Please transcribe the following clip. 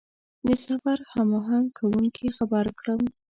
د سفر هماهنګ کوونکي خبر کړم.